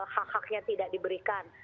hak haknya tidak diberikan